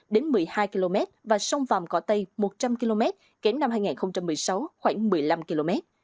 đến một mươi hai km và sông vàm cỏ tây một trăm linh km kém năm hai nghìn một mươi sáu khoảng một mươi năm km